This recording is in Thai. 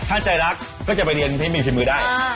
ถ้าใจรักก็จะไปเรียนที่มีฝีมือได้